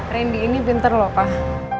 randy ini pinter lho pak